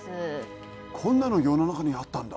こんなの世の中にあったんだ。